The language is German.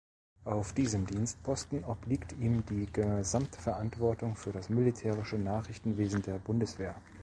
Auf diesem Dienstposten obliegt ihm die Gesamtverantwortung für das Militärische Nachrichtenwesen der Bundeswehr.